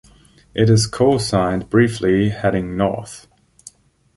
It is co-signed briefly heading north.